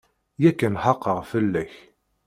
Yakan xaqeɣ fell-ak.